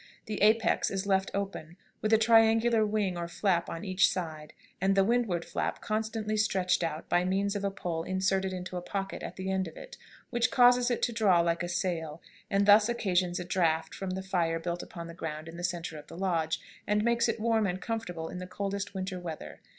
The apex is left open, with a triangular wing or flap on each side, and the windward flap constantly stretched out by means of a pole inserted into a pocket in the end of it, which causes it to draw like a sail, and thus occasions a draught from the fire built upon the ground in the centre of the lodge, and makes it warm and comfortable in the coldest winter weather.